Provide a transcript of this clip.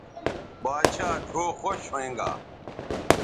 باچھا ڙھؤ خوش ھوینگا